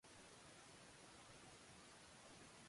車の免許取ったよ